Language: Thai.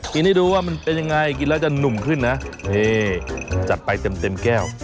ให้ดูว่ามันเป็นยังไงกินแล้วจะหนุ่มขึ้นนะนี่จัดไปเต็มเต็มแก้ว